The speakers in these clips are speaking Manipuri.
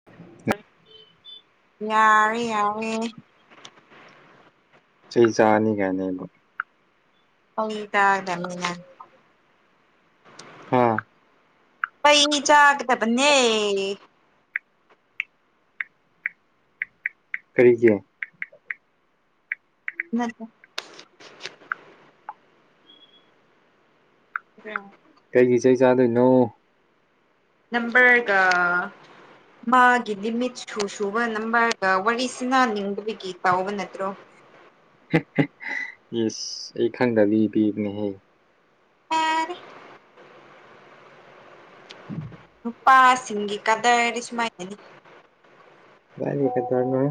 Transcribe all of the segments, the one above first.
[unintelligible] ꯌꯥꯃꯦ ꯌꯥꯝꯃꯦ ꯆꯩ ꯆꯥꯅꯤ ꯀꯥꯏꯅ ꯑꯩꯕꯨ [unintelligible] ꯒꯤ ꯇꯥꯔ ꯗꯕꯅꯤꯅ ꯍꯥ ꯆꯩ ꯆꯥꯈ꯭ꯔꯕꯅꯦ ꯀꯔꯤꯒꯤ ꯅꯠꯇꯦ ꯎꯝ ꯀꯩꯒꯤ ꯆꯩ ꯆꯥꯗꯣꯏꯅꯣ ꯅꯝꯕꯔꯒ ꯃꯥꯒꯤ ꯂꯤꯃꯤꯠ ꯁꯨ ꯁꯨꯕ ꯅꯝꯕꯔꯒ ꯋꯥꯔꯤ ꯁꯅꯥ ꯅꯤꯡꯗꯕꯒꯤ ꯇꯧꯕ ꯅꯠꯇ꯭ꯔꯣ ꯏꯁ ꯑꯩ ꯈꯪꯗꯕꯤ ꯄꯤꯕꯅꯦꯍꯦ ꯌꯥꯔꯦ ꯅꯨꯄꯥꯁꯤꯡꯒꯤ ꯀꯥꯗ꯭ꯔꯗꯤ ꯁꯨꯃꯥꯏꯅꯅꯤ ꯀꯗꯥꯢꯗꯒꯤ ꯀꯥꯗ꯭ꯔꯅꯣ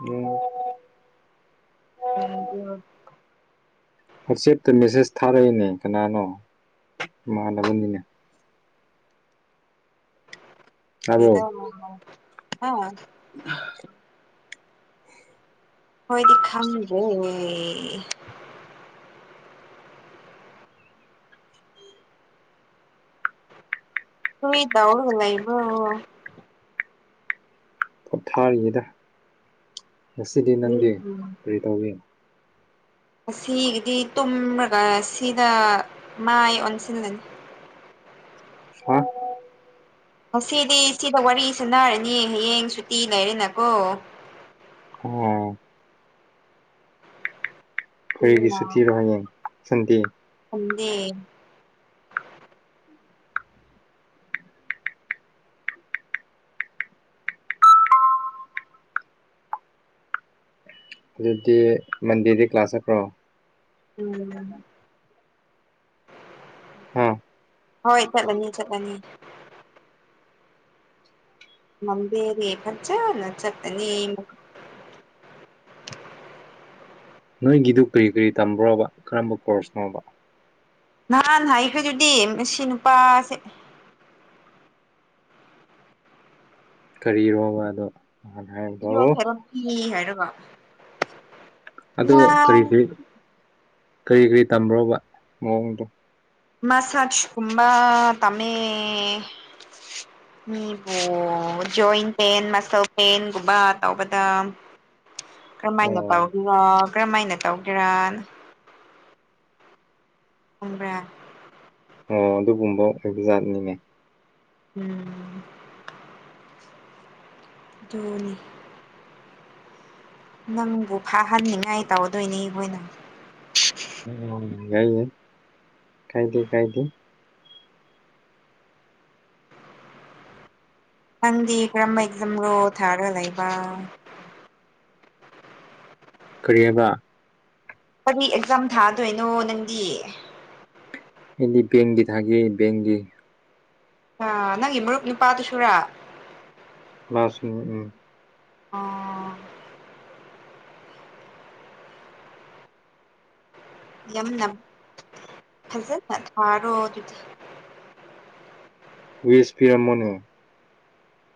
ꯎꯝ [unintelligible] ꯋꯥꯆꯦꯞꯇ ꯃꯦꯁꯦꯁ ꯊꯥꯔꯛꯏꯅꯦ ꯀꯅꯥꯅꯣ ꯏꯃꯥꯟꯅꯕꯅꯤꯅꯦ ꯇꯥꯕ꯭ꯔꯣ ꯀꯩꯗ [unintelligible] ꯍꯥ ꯍꯥ [inaudible] ꯑꯩꯈꯣꯏꯗꯤ ꯈꯪꯗꯦ ꯀꯔꯤ ꯇꯧꯔꯒ ꯂꯩꯕ꯭ꯔꯣ ꯄꯣꯊꯥꯔꯤꯗ ꯉꯁꯤꯗꯤ ꯅꯪꯗꯤ ꯀꯔꯤ ꯇꯧꯔꯤ ꯉꯁꯤꯒꯤꯗꯤ ꯇꯨꯝꯔꯒ ꯁꯤꯗ ꯃꯥꯏ ꯑꯣꯟꯁꯤꯜꯂꯅꯤ ꯍꯥ ꯉꯁꯤꯗꯤ ꯁꯤꯗ ꯋꯥꯔꯤ ꯁꯥꯟꯅꯔꯅꯤ ꯍꯌꯦꯡ ꯁꯨꯇꯤ ꯂꯩꯔꯦꯅꯀꯣ ꯑꯣ ꯀꯔꯤꯒꯤ ꯑꯗꯨꯅ ꯁꯨꯨꯇꯤꯔꯣ ꯍꯌꯦꯡ ꯁꯟꯗꯦ ꯁꯟꯗꯦ ꯑꯗꯨꯗꯤ ꯃꯟꯗꯦꯗꯤ ꯀ꯭ꯂꯥꯁ ꯆꯠꯄ꯭ꯔꯣ ꯎꯝ ꯍꯥ ꯍꯣꯏ ꯆꯠꯂꯅꯤ ꯆꯠꯂꯅꯤ ꯃꯟꯗꯦꯗꯤ ꯐꯖꯅ ꯆꯠꯀꯅꯤ ꯅꯣꯏꯒꯤꯗꯨ ꯀ꯭ꯔꯤ ꯀ꯭ꯔꯤ ꯇꯝꯕ꯭ꯔꯣꯕ ꯀꯔꯝꯕ ꯀꯣꯔꯁꯅꯣꯕ ꯅꯍꯥꯟ ꯍꯥꯏꯈ꯭ꯔꯗꯨꯗꯤ ꯃꯁꯤ ꯅꯨꯄꯥꯁꯦ ꯀꯔꯤꯔꯣꯕ ꯑꯗꯣ ꯅꯍꯥꯟ ꯍꯥꯏꯕꯗꯣ [unintelligible] ꯍꯥꯏꯔꯒ ꯑꯗꯨ ꯀ꯭ꯔꯤ ꯀ꯭ꯔꯤ ꯀꯔꯤ ꯀꯔꯤ ꯇꯝꯕ꯭ꯔꯣꯕ ꯃꯑꯣꯡꯗꯣ ꯃꯁꯥꯖ ꯀꯨꯝꯕ ꯇꯥꯝꯃꯦ ꯃꯤꯕꯨ ꯖꯣꯏꯟ ꯄꯦꯟ ꯃꯁꯜ ꯄꯦꯟꯒꯨꯝꯕ ꯇꯧꯕꯗ ꯀꯔꯝꯃꯥꯏꯅ ꯑꯣ ꯇꯧꯒꯦꯔꯥ ꯀꯔꯝꯃꯥꯏꯅ ꯇꯧꯒꯦꯔꯥ ꯈꯪꯕ꯭ꯔꯥ ꯑꯣ ꯑꯗꯨꯒꯨꯝꯕ ꯑꯣꯏꯕ ꯌꯥꯥꯠꯅꯤꯅꯦ ꯎꯝ ꯑꯗꯨꯅꯤ ꯅꯪꯕꯨ ꯐꯥꯍꯟꯅꯤꯡꯉꯥꯏ ꯇꯧꯗꯣꯏꯅꯤ ꯑꯩꯈꯣꯏꯅ ꯎꯝ ꯌꯥꯏ ꯌꯥꯢ ꯀꯥꯏꯗꯦ ꯀꯥꯏꯗꯦ ꯅꯪꯗꯤ ꯀꯔꯝꯕ ꯑꯦꯛꯖꯝꯔꯣ ꯊꯥꯔ ꯂꯩꯕ ꯀꯔꯤ ꯍꯥꯏꯕ ꯀꯔꯤ ꯑꯦꯛꯖꯥꯝ ꯊꯥꯗꯣꯢꯅꯣ ꯅꯪꯗꯤ ꯑꯩꯗꯤ ꯕꯦꯡꯒꯤ ꯊꯥꯒꯦ ꯕꯦꯡꯒꯤ ꯑꯥ ꯅꯪꯒꯤ ꯃꯔꯨꯞ ꯅꯨꯄꯥꯗꯨꯁꯨꯔ ꯃꯥꯁꯨꯟ ꯎꯝ ꯎꯝ ꯑꯣ ꯌꯥꯝꯅ ꯐꯖꯅ ꯊꯥꯔꯣ ꯑꯗꯨꯗꯤ ꯋꯤꯁ ꯄꯤꯔꯝꯃꯣꯅꯦ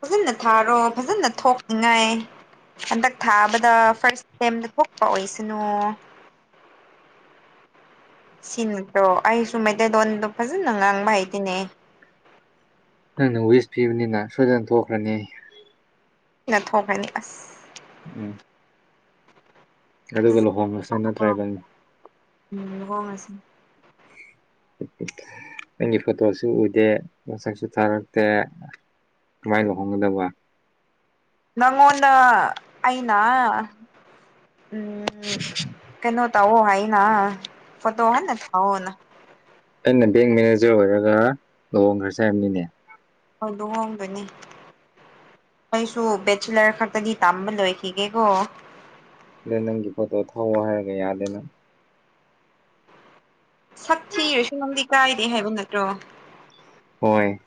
ꯐꯖꯅ ꯊꯥꯔꯣ ꯐꯖꯅ ꯊꯣꯛꯅꯤꯡꯉꯥꯢ ꯍꯟꯗꯛ ꯊꯥꯕꯗ ꯐꯥꯔꯁ ꯑꯇꯦꯝꯗ ꯊꯣꯛꯄ ꯑꯣꯢꯁꯅꯨ ꯁꯤ ꯅꯠꯇ꯭ꯔꯣ ꯑꯩꯁꯨ ꯃꯩꯇꯩꯗꯣꯟꯗꯣ ꯐꯖꯅ ꯉꯥꯡꯕ ꯍꯩꯇꯦꯅꯦ ꯅꯪꯅ ꯋꯤꯁ ꯄꯤꯕꯅꯤꯅ ꯁꯣꯢꯗꯅ ꯊꯣꯛꯈ꯭ꯔꯅꯤ ꯑꯩꯁꯦ ꯏꯅꯥ ꯊꯣꯛꯈ꯭ꯔꯅꯤ ꯑꯁ ꯎꯝ ꯑꯗꯨꯒ ꯐꯖ ꯂꯨꯍꯣꯡꯉꯁꯦ ꯅꯠꯇ꯭ꯔ ꯏꯕꯅꯤ ꯎꯝ ꯂꯨꯍꯣꯡꯉꯁꯤ ꯅꯪꯒꯤ ꯐꯣꯇꯣꯁꯨ ꯎꯗꯦ ꯃꯁꯛꯁꯨ ꯊꯥꯔꯛꯇꯦ ꯀꯃꯥꯢ ꯂꯨꯍꯣꯡꯒꯗꯕ ꯅꯪꯉꯣꯟꯗ ꯑꯩꯅ ꯎꯝ ꯀꯩꯅꯣ ꯇꯧꯑꯣ ꯍꯥꯢꯅ ꯐꯣꯇꯣ ꯍꯟꯅ ꯊꯥꯑꯣꯅ ꯑꯩꯅ ꯕꯦꯡ ꯃꯦꯅꯦꯖꯔ ꯑꯣꯢꯔꯒ ꯂꯨꯍꯣꯡꯒꯔꯖꯦ ꯍꯥꯢꯕꯅꯤꯅꯦ ꯍꯧꯗꯣ ꯍꯣꯡꯒꯅꯤ ꯑꯩꯁꯨ ꯕꯦꯆꯤꯂꯔ ꯈꯛꯇꯒꯤ ꯇꯝꯕ ꯂꯣꯢꯈꯤꯒꯦꯀꯣ ꯑꯩꯅ ꯅꯪꯒꯤ ꯐꯣꯇꯣ ꯊꯧꯑꯣ ꯍꯥꯢꯔꯒ ꯌꯥꯗꯦꯅ ꯁꯛ ꯊꯤꯔꯁꯨ ꯅꯪꯗꯤ ꯀꯥꯢꯗꯦ ꯍꯥꯢꯕ ꯅꯠꯇ꯭ꯔꯣ ꯍꯣꯢ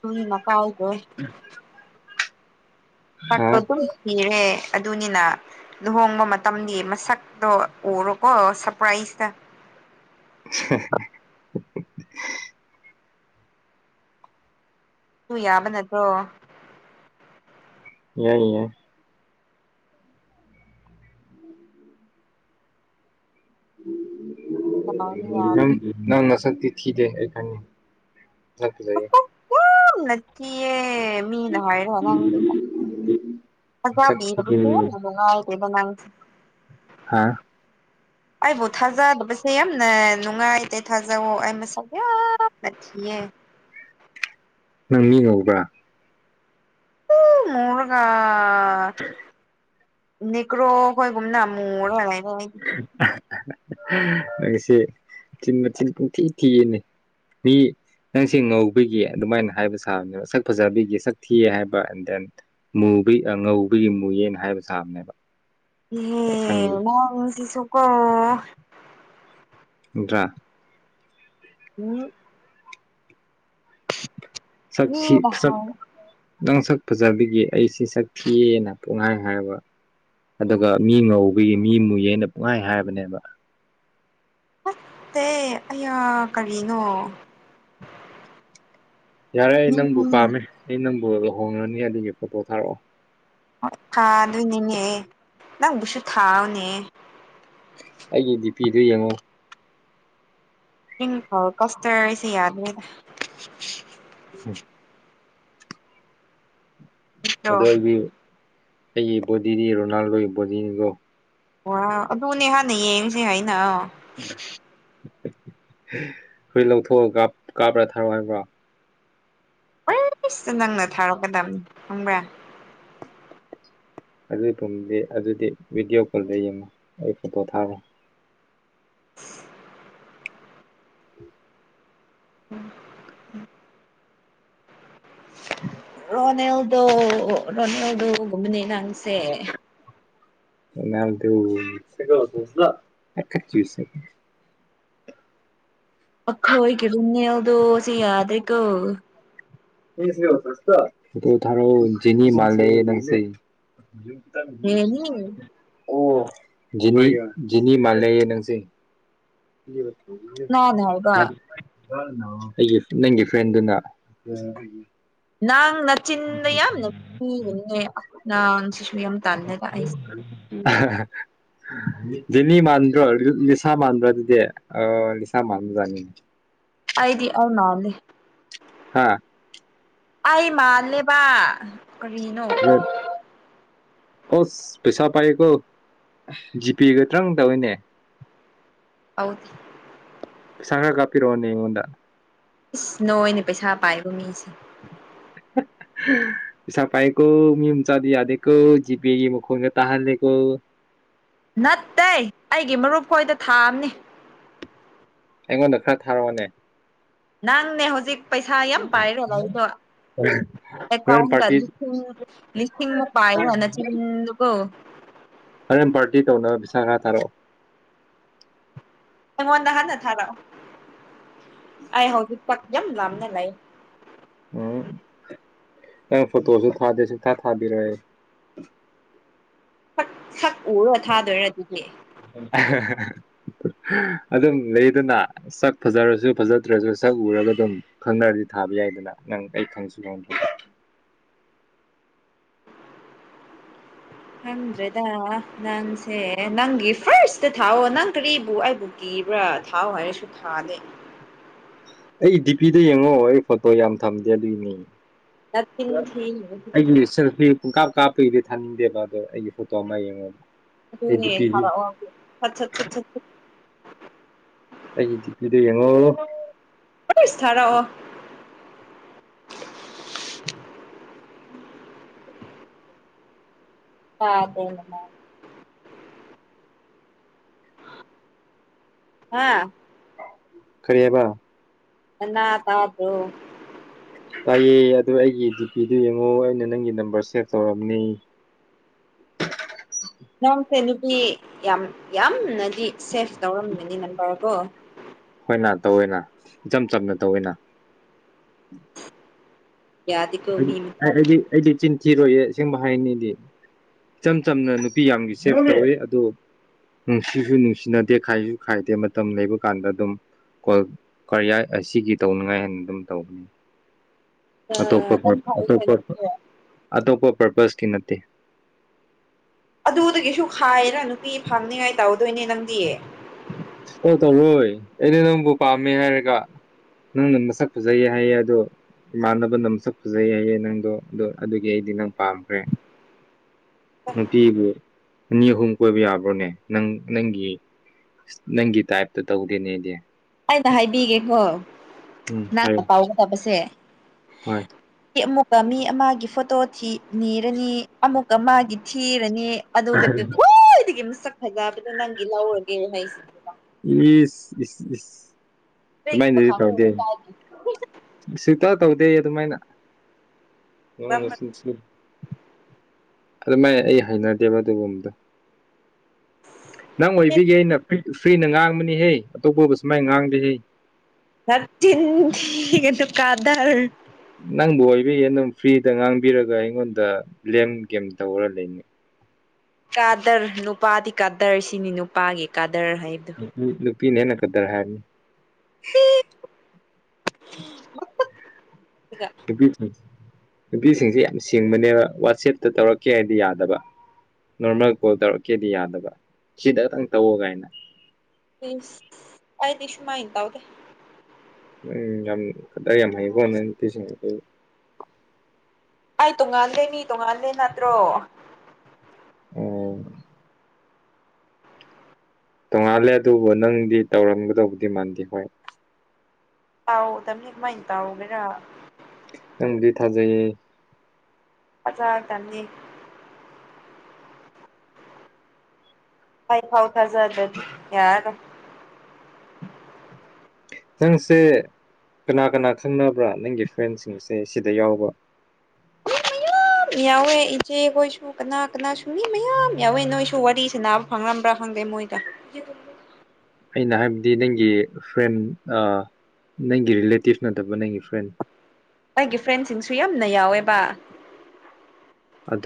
ꯇꯣꯢ ꯃꯄꯥꯜ ꯗꯣꯢ [unintelligible] ꯍꯥ ꯁꯛꯇꯣ ꯑꯗꯨꯝ ꯊꯤꯔꯦ ꯑꯗꯨꯅꯤꯅ ꯂꯨꯍꯣꯡꯕ ꯃꯇꯝꯒꯤ ꯃꯁꯛꯇꯣ ꯎꯔꯣꯀꯣ ꯁꯔꯄ꯭ꯔꯥꯢꯖꯇ ꯁ꯭ꯍꯦ ꯇꯨ ꯌꯥꯕ ꯅꯠꯇ꯭ꯔꯣ ꯌꯥꯢ ꯌꯥꯢ ꯌꯥꯗꯤ ꯌꯥꯕ ꯅꯪ ꯅꯪ ꯅꯁꯛꯇꯤ ꯊꯤꯗꯦ ꯑꯩꯈꯪꯉꯤ ꯅꯪ ꯐꯖꯩꯌꯦ ꯑꯣ ꯑꯣ.. ꯅꯠꯇꯤꯌꯦ ꯃꯤꯅ ꯍꯥꯢꯔ ꯈꯪꯗꯦ [unintelligible] ꯑꯗꯥꯞ ꯅꯁꯛ ꯄꯤꯕꯝ ꯊꯤꯗꯦ ꯆꯨꯠ ꯅꯨꯨꯡ ꯅꯨꯉꯥꯢꯇꯦꯗ ꯅꯪꯁꯤ ꯑꯥ ꯑꯩꯕꯨ ꯊꯥꯖꯗꯕꯁꯦ ꯌꯥꯝꯅ ꯅꯨꯡꯉꯥꯢꯇꯦ ꯊꯥꯖꯧꯑꯣ ꯑꯩ ꯃꯁꯛ ꯌꯥꯝ.. ꯅ ꯊꯤꯌꯦ ꯅꯪ ꯃꯤ ꯉꯧꯕ꯭ꯔꯥ ꯃꯨꯔꯒ.. ꯅꯦꯒ꯭ꯔꯣ ꯍꯣꯢꯒꯨꯨꯝꯅ ꯃꯨꯔꯥ ꯂꯩ ꯍꯣ ꯃꯤꯠ ꯑ ꯍꯍꯍ ꯅꯪꯁꯦ ꯆꯤꯟ ꯃꯊꯤꯟ ꯄꯨꯡꯊꯤ ꯊꯤꯌꯦꯅꯦ ꯃꯤ ꯅꯪ ꯁꯦ ꯉꯧꯕꯒꯤ ꯑꯗꯨꯃꯥꯢꯅ ꯍꯥꯢꯕ ꯁꯥꯕꯅꯦꯕ ꯁꯛ ꯐꯖꯕꯤꯒꯤ ꯁꯛ ꯊꯤꯑꯦ ꯍꯥꯢꯕ ꯑꯦꯟ ꯗꯦꯟ ꯃꯨꯕꯩ ꯑ ꯉꯧꯕꯒꯤ ꯃꯨꯢꯌꯦꯅ ꯍꯥꯢꯕ ꯁꯥꯕꯅꯦꯕ ꯑꯩ ꯏꯌꯦ ꯈꯪꯉꯤ ꯅꯪꯁꯤꯁꯨ ꯀꯣ ꯅꯠꯇ꯭ꯔꯥ ꯎꯝ ꯁꯛ ꯊꯤ ꯃꯤꯅ ꯁꯛ ꯍꯥꯏ ꯅꯪ ꯁꯛ ꯐꯖꯕꯒꯤ ꯑꯩꯁꯤ ꯁꯛ ꯊꯤꯌꯦꯅ ꯄꯨꯡꯍꯥꯏ ꯍꯥꯏꯕ ꯑꯗꯨꯒ ꯃꯤ ꯉꯧꯕꯒꯤ ꯃꯤ ꯃꯨꯌꯦꯅ ꯄꯨꯡꯍꯥꯏ ꯍꯥꯏꯕꯅꯦꯕ ꯄꯛꯇꯦ ꯑꯌꯥ ꯀꯔꯤꯅꯣ ꯌꯥꯔꯦ ꯑꯩ ꯅꯪꯕꯨ ꯃꯤꯅ ꯄꯥꯝꯃꯦ ꯑꯩ ꯅꯪꯕꯨ ꯂꯨꯍꯣꯡꯉꯅꯤ ꯑꯗꯨꯒꯤ ꯐꯣꯇꯣ ꯊꯥꯔꯛꯑꯣ ꯍꯣꯏ ꯊꯥꯗꯣꯏꯅꯤꯅꯦ ꯅꯪꯕꯨꯁꯨ ꯊꯥꯑꯣꯅꯦ ꯑꯩꯒꯤ ꯗꯤꯄꯤꯗꯨ ꯌꯦꯡꯉꯣ [unintelligible] ꯑꯍꯥ ꯅꯠꯇ꯭ꯔꯣ ꯑꯗꯨ ꯑꯩꯒꯤ ꯑꯩꯒꯤ ꯕꯣꯗꯤꯗꯤ ꯔꯣꯅꯥꯜꯗꯣꯒꯤ ꯕꯣꯗꯤꯅꯤꯒꯣ ꯋꯥ ꯑꯗꯨꯅꯦ ꯍꯥꯟꯅ ꯌꯦꯡꯉꯁꯦ ꯍꯥꯏꯅ ꯐꯨꯔꯤꯠ ꯂꯧꯊꯣꯛꯑꯒ ꯀꯥꯞ ꯀꯥꯞꯔꯥ ꯊꯥꯔꯛꯑꯣ ꯍꯥꯏꯕ꯭ꯔꯣ ꯑꯥꯏꯁ ꯅꯪꯅ ꯊꯥꯔꯛꯀꯗꯕꯅꯤ ꯈꯪꯕ꯭ꯔꯥ ꯑꯗꯨ ꯇꯨꯡꯗꯤ ꯑꯗꯨꯗꯤ ꯚꯤꯗꯤꯑꯣ ꯀꯣꯜꯗ ꯌꯦꯡꯉꯣ ꯑꯩ ꯐꯣꯇꯣ ꯊꯥꯔꯣꯏ [inaudible] [inaudible] ꯔꯣꯅꯦꯜꯗꯣ ꯔꯣꯅꯦꯜꯗꯣꯒꯨꯝꯕꯅꯤ ꯅꯪꯁꯦ ꯔꯣꯅꯥꯜꯗꯣ [unintelligible] ꯑꯈꯣꯏꯒꯤ ꯔꯣꯅꯦꯜꯗꯣꯁꯤ ꯌꯥꯗ꯭ꯔꯦꯀꯣ [unintelligible] ꯊꯥꯔꯣ ꯖꯤꯅꯤ ꯃꯥꯜꯂꯦ ꯅꯪꯁꯦ ꯀꯅꯥꯅ [unintelligible] ꯑꯣ ꯖꯦꯅꯤ ꯖꯦꯅꯤ ꯃꯥꯜꯂꯦꯌꯦ ꯅꯪꯁꯦ [unintelligible] ꯍꯥꯏꯕ ꯑꯩꯒꯤ ꯅꯪꯒꯤ ꯐ꯭ꯔꯦꯟꯗꯨꯅ [unintelligible] ꯅꯪ ꯅꯆꯤꯟꯗꯨ ꯌꯥꯝꯅ ꯊꯤꯒꯅꯨꯅꯦ [unintelligible] ꯌꯥꯝ ꯇꯜꯂꯦꯗ ꯑꯩ ꯑꯍꯥ ꯍꯥ ꯖꯦꯅꯤ ꯃꯥꯟꯗ꯭ꯔꯣ ꯂꯤꯁꯥ ꯃꯥꯟꯕ꯭ꯔꯥ ꯑꯗꯨꯗꯤ ꯑꯥ ꯂꯤꯁꯥ ꯃꯥꯟꯕꯖꯥꯠꯅꯤꯅꯦ ꯑꯩꯗꯤ ꯑꯧꯅꯥꯎꯅꯤ ꯍꯥꯥ ꯑꯩ ꯃꯥꯜꯂꯦꯕ ꯀꯔꯤꯅꯣ ꯂꯦꯞ ꯑꯣꯁ ꯄꯩꯁꯥ ꯄꯥꯏꯑꯦꯀꯣ ꯖꯤꯄꯦꯒ ꯇ꯭ꯔꯪ ꯇꯧꯏꯅꯦ ꯇꯧꯗꯦ ꯄꯩꯁꯥ ꯈꯔ ꯀꯥꯄꯤꯔꯣꯅꯦ ꯑꯩꯉꯣꯟꯗ ꯏꯁ ꯅꯣꯏꯅꯥ ꯄꯩꯁꯥ ꯄꯥꯏꯕ ꯃꯤꯁꯤ [inaudible] ꯍꯥ ꯄꯩꯁꯥ ꯄꯥꯏꯑꯌꯦꯀꯣ ꯃꯤꯃꯆꯥꯥꯗꯤ ꯌꯥꯗꯦꯀꯣ ꯖꯤꯄꯦꯒꯤ ꯃꯈꯣꯡꯒ ꯇꯥꯍꯜꯂꯦꯀꯣ ꯅꯠꯇꯦ ꯑꯩꯒꯤ ꯃꯔꯨꯞ ꯈꯣꯏꯗ ꯊꯥꯕꯅꯤ ꯑꯩꯉꯣꯟꯗ ꯈꯔ ꯊꯥꯔꯛꯑꯣꯅꯦ ꯅꯪꯅꯦ ꯍꯧꯖꯤꯛ ꯄꯩꯁꯥ ꯌꯥꯝ ꯄꯥꯏꯔꯣ ꯂꯩꯗꯣ ꯍꯣꯔꯦꯟ ꯑꯦꯀꯥꯎꯟ ꯇ ꯄꯥꯔꯇꯤ ꯂꯤꯁꯤꯡ ꯂꯤꯁꯤꯡꯃꯨꯛ ꯄꯥꯏꯕ ꯅꯆꯤꯟꯗꯨꯀꯣ ꯍꯣꯔꯦꯟ ꯄꯥꯔꯇꯤ ꯇꯧꯅꯕ ꯄꯩꯁꯥ ꯈꯔ ꯊꯥꯔꯛꯑꯣ ꯑꯩꯉꯣꯟꯗ ꯍꯥꯟꯅ ꯊꯥꯔꯛꯑꯣ ꯑꯩ ꯍꯧꯖꯤꯛ ꯄꯠ ꯌꯥꯝ ꯂꯥꯞꯅ ꯂꯩ ꯎꯝ ꯅꯪ ꯐꯣꯇꯣꯁꯨ ꯊꯥꯗꯦ ꯁꯨꯛꯊꯥ ꯊꯥꯕꯤꯔꯣꯏ ꯑꯩ ꯁꯛ ꯁꯛ ꯎꯔ ꯊꯥꯗꯣꯏꯔ ꯑꯗꯨꯗꯤ [unintelligible] ꯑꯗꯨꯝ ꯂꯩꯗꯅ ꯁꯛ ꯐꯖꯔꯁꯨ ꯐꯖꯗ꯭ꯔꯁꯨ ꯁꯛ ꯎꯔꯒ ꯑꯗꯨꯝ ꯈꯪꯅꯔꯗꯤ ꯊꯥꯕ ꯌꯥꯏꯗꯅ ꯅꯪ ꯑꯩ ꯈꯪꯁꯨ ꯈꯪꯗꯦ ꯈꯪꯗ꯭ꯔꯦꯗ ꯅꯪꯁꯦ ꯅꯪꯒꯤ ꯐꯥꯔꯁꯇ ꯊꯥꯎꯑꯣ ꯅꯪ ꯀ꯭ꯔꯤꯕꯨ ꯑꯩꯕꯨ ꯀꯤꯕ꯭ꯔꯥ ꯊꯥꯎ ꯍꯥꯏꯔꯁꯨ ꯊꯥꯗꯦ ꯑꯩ ꯗꯤꯄꯤꯗꯨ ꯌꯦꯡꯉꯣ ꯑꯩ ꯐꯣꯇꯣ ꯌꯥꯝ ꯊꯝꯗꯦ ꯑꯗꯨꯒꯤꯅꯤ ꯅꯆꯤꯟ ꯊꯤꯅꯨ ꯑꯩꯒꯤ ꯏꯆꯟ ꯅꯨꯄꯤ ꯄꯨꯡꯀꯥꯞ ꯀꯥꯞꯄꯒꯤꯗꯤ ꯊꯥꯅꯤꯡꯗꯦꯕ ꯑꯗꯣ ꯑꯩꯒꯤ ꯐꯣꯇꯣ ꯑꯃ ꯌꯦꯡꯉꯣꯕ ꯑꯗꯨꯅꯦ ꯊꯥꯔꯛꯑꯣ ꯁꯠ ꯁꯠ ꯁꯠ ꯁꯠ ꯑꯩꯒꯤ ꯗꯤꯄꯤꯗꯣ ꯌꯦꯡꯉꯣ ꯏꯁ ꯊꯥꯔꯛꯑꯣ ꯇꯕꯔꯣ ꯑꯩꯅꯥ ꯉꯥꯡꯏꯁꯤ ꯍꯥ ꯀꯔꯤ ꯍꯥꯏꯕ ꯅꯅꯥ ꯇꯥꯗ꯭ꯔꯣ ꯇꯥꯏꯑꯦ ꯑꯗꯨ ꯑꯩꯒꯤ ꯗꯤꯄꯤꯗꯨ ꯌꯦꯡꯉꯣ ꯑꯩꯅ ꯅꯪꯒꯤ ꯅꯝꯕꯔ ꯁꯦꯚ ꯇꯧꯔꯝꯅꯤ ꯅꯪꯁꯦ ꯅꯨꯄꯤ ꯌꯥꯝ ꯌꯥꯝꯅꯗꯤ ꯁꯦꯐ ꯇꯧꯔꯝꯒꯅꯤ ꯅꯝꯕꯔ ꯀꯣ ꯍꯣꯏꯅ ꯇꯧꯋꯦꯅ ꯏꯆꯝ ꯆꯝꯅ ꯇꯧꯋꯦꯅ ꯌꯥꯗꯦꯀꯣ ꯑꯩꯗꯤ ꯃꯤ ꯑꯩ ꯃꯆꯥꯗꯤ ꯑꯩꯗꯤ ꯑꯩꯗꯤ ꯆꯤꯟꯊꯤꯔꯣꯏꯑꯦ ꯑꯁꯦꯡꯕ ꯍꯥꯏꯅꯤ ꯑꯩꯗꯤ ꯏꯆꯝ ꯆꯝꯅ ꯅꯨꯄꯤ ꯌꯥꯝꯒꯤ ꯁꯦꯞ ꯇꯧꯋꯤ ꯑꯗꯨ ꯅꯨꯡꯁꯤꯁꯨ ꯅꯨꯡꯁꯤꯅꯗꯦ ꯈꯥꯏꯁꯨ ꯈꯥꯏꯗꯦ ꯃꯇꯝ ꯂꯩꯕ ꯀꯥꯟꯗ ꯑꯗꯨꯝ ꯀꯣꯜ ꯀꯔꯤꯌꯥꯏ ꯑꯁꯤꯒꯤ ꯇꯧꯅꯤꯡꯉꯥꯏ ꯍꯥꯏꯅ ꯑꯗꯨꯝ ꯇꯧꯕꯅꯦ ꯑꯥ ꯑꯇꯣꯞꯄ ꯑꯇꯣꯞꯄ ꯄꯔꯄꯁꯀꯤ ꯅꯠꯇꯦ ꯑꯗꯨꯗꯒꯤꯁꯨ ꯈꯥꯏꯔ ꯅꯨꯄꯤ ꯐꯝꯅꯤꯉꯥꯏ ꯇꯧꯔꯗꯣꯏꯅꯦ ꯅꯪꯗꯤ ꯀꯣꯜ ꯇꯧꯔꯣꯏ ꯑꯩꯗꯤ ꯅꯪꯕꯨ ꯄꯥꯝꯃꯦ ꯍꯥꯏꯔꯒ ꯅꯪꯅ ꯃꯁꯛ ꯐꯖꯩꯌꯦ ꯍꯥꯏꯌꯦ ꯑꯗꯨ ꯏꯃꯥꯟꯅꯕꯅ ꯑꯃꯁꯛ ꯐꯖꯩ ꯍꯥꯏꯌꯦ ꯅꯪꯗꯣ ꯑꯗꯣ ꯑꯗꯨꯒꯤ ꯑꯩꯗꯤ ꯅꯪ ꯄꯥꯝꯈ꯭ꯔꯦ ꯅꯨꯄꯤꯕꯨ ꯑꯅꯤ ꯑꯍꯨꯝ ꯀꯣꯏꯕ ꯌꯥꯕ꯭ꯔꯣꯅꯦ ꯅꯪ ꯅꯪꯒꯤ ꯅꯪꯒꯤ ꯇꯥꯏꯞꯇ ꯇꯧꯗꯦꯅꯦ ꯑꯩꯗꯤ ꯑꯩꯅ ꯍꯥꯏꯕꯤꯒꯦꯀꯣ ꯎꯝ ꯅꯪꯒꯥ ꯍꯥꯏꯌꯣ ꯄꯥꯎ ꯐꯥꯎꯅꯕꯁꯦ ꯍꯣꯏ ꯑꯃꯨꯛꯀ ꯃꯤ ꯑꯃꯒꯤ ꯐꯣꯇꯣ ꯊꯤ ꯅꯤꯔꯅꯤ ꯑꯃꯨꯛꯀ ꯃꯥꯒꯤ ꯊꯤꯔꯅꯤ ꯑꯗꯨꯗꯒꯤ ꯈ꯭ꯋꯥꯏꯗꯒꯤ ꯃꯁꯛ ꯐꯖꯕꯗꯣ ꯅꯪꯒꯤ ꯂꯧꯔꯒꯦ ꯍꯥꯏꯁꯦ ꯏꯁ ꯏꯁ ꯏꯁ [unintelligible] ꯄꯨꯟꯁꯤꯗ ꯇꯧꯗꯦ ꯑꯗꯨꯃꯥꯏꯅ ꯅꯪ ꯅꯆꯤꯟ ꯊꯤ ꯑꯗꯨꯃꯥꯏ ꯑꯩ ꯍꯩꯅꯗꯦꯕ ꯑꯗꯨꯒꯨꯝꯕꯗ ꯅꯪ ꯑꯣꯏꯕꯤꯒꯤ ꯑꯩꯅ ꯐ꯭ꯔꯤꯅ ꯉꯥꯡꯕꯅꯤꯍꯦ ꯑꯇꯣꯞꯄꯕꯨ ꯁꯨꯃꯥꯏꯅ ꯉꯥꯡꯗꯦꯍꯦ ꯅꯆꯤꯟ ꯊꯤꯒꯅꯨ ꯀꯗꯔ ꯅꯪꯕꯨ ꯑꯣꯏꯕꯒꯤ ꯑꯗꯨꯝ ꯐ꯭ꯔꯤꯗ ꯉꯥꯡꯕꯤꯔꯒ ꯑꯩꯉꯣꯟꯗ ꯂꯦꯝ ꯒꯦꯝ ꯇꯧꯔ ꯂꯩꯅꯦ ꯀꯥꯗꯔ ꯅꯨꯄꯥꯗꯤ ꯀꯥꯗꯔ ꯁꯤꯅꯤ ꯅꯨꯄꯥꯒꯤ ꯀꯥꯗꯔ ꯍꯥꯏꯕ ꯅꯨꯨꯄꯤꯅ ꯍꯦꯟꯅ ꯀꯗꯔ ꯍꯩꯝꯅꯤ [unintelligible] [unintelligible] ꯅꯨꯄꯤꯁꯤꯡ ꯅꯨꯄꯤꯁꯤꯡꯁꯦ ꯌꯥꯝ ꯁꯤꯡꯕꯅꯦꯕ ꯋꯥꯆꯦꯞꯇ ꯇꯧꯔꯛꯀꯦ ꯍꯥꯏꯗꯤ ꯌꯥꯗꯕ ꯅꯣꯔꯃꯦꯜ ꯀꯣꯜ ꯇꯧꯔꯛꯀꯦꯗꯤ ꯌꯥꯗꯕ ꯁꯤꯗꯇꯪ ꯇꯧꯋꯣ ꯒꯥꯏꯅ ꯏꯁ ꯑꯩꯗꯤ ꯁꯨꯨꯝꯃꯥꯏꯟ ꯇꯧꯗꯦ ꯎꯝ ꯌꯥꯝ ꯀꯗꯔ ꯌꯥꯝ ꯍꯩꯀꯣ ꯅꯪꯏ ꯅꯨꯄꯤꯁꯤꯡ [unintelligible] ꯑꯩ ꯇꯣꯡꯉꯥꯜꯂꯦ ꯃꯤ ꯇꫭꯡꯉꯥꯜꯂꯦ ꯅꯠꯇ꯭ꯔꯣ ꯑꯣ ꯇꯣꯡꯉꯥꯜꯂꯦ ꯑꯗꯨꯕꯨ ꯅꯪꯗꯤ ꯇꯧꯔꯝꯒꯗꯧꯕꯗꯤ ꯃꯥꯟꯗꯦ ꯍꯣꯏ ꯇꯧꯗꯝꯅꯤ ꯀꯃꯥꯏꯟ ꯇꯧꯒꯦꯔ ꯅꯪꯗꯤ ꯊꯥꯖꯩꯌꯦ ꯐꯖꯗꯝꯅꯤ ꯑꯩ ꯐꯥꯎ ꯊꯖꯗ꯭ꯔꯗꯤ ꯌꯥꯔꯣꯏ ꯅꯪꯁꯦ ꯀꯅꯥ ꯀꯅꯥ ꯈꯪꯅꯕ꯭ꯔ ꯅꯪꯒꯤ ꯐ꯭ꯔꯦꯟꯁꯤꯡꯁꯦ ꯁꯤꯗ ꯌꯥꯎꯕ ꯃꯤ ꯃꯌꯥꯝ ꯌꯥꯎꯋꯦ ꯏꯆꯦ ꯈꯣꯏꯁꯨ ꯀꯅꯥ ꯀꯅꯥ ꯁꯨ ꯃꯤ ꯃꯌꯥꯝ ꯌꯥꯎꯋꯦ ꯅꯣꯏꯁꯨ ꯋꯥꯔꯤ ꯁꯥꯟꯅꯕ ꯐꯪꯔꯝꯕ꯭ꯔ ꯈꯪꯗꯦ ꯃꯣꯏꯗ ꯑꯩꯅ ꯍꯥꯏꯞꯗꯤ ꯅꯪꯒꯤ ꯐ꯭ꯔꯦꯟ ꯑ ꯅꯪꯒꯤ ꯔꯤꯂꯦꯇꯤꯞ ꯅꯠꯇꯕ ꯅꯪꯒꯤ ꯐ꯭ꯔꯦꯟ ꯑꯩꯒꯤ ꯐ꯭ꯔꯦꯟꯁꯤꯡꯁꯨ ꯌꯥꯝꯅ ꯌꯥꯎꯋꯦꯕ ꯑꯗꯨ